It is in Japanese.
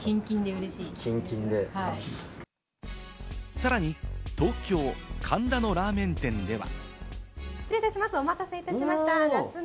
さらに、東京・神田のラーメン店では。